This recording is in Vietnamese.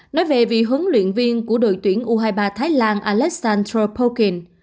nói về vị hướng luyện viên của đội tuyển u hai mươi ba thái lan alexandro polkin